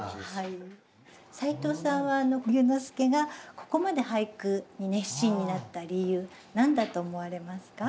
齋藤さんは龍之介がここまで俳句に熱心になった理由何だと思われますか？